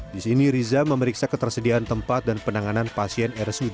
di sini riza memeriksa ketersediaan tempat dan penanganan pasien rsud